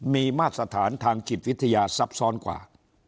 มีมาตรฐานทางจิตวิทยาซับซ้อนกว่า